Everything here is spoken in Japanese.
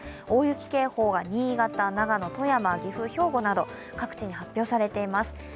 大雪警報が新潟、長野、富山、岐阜、兵庫など各地に発表されています。